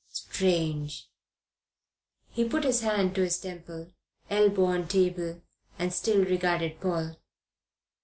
Strange!" He put his hand to his temple, elbow on table, and still regarded Paul.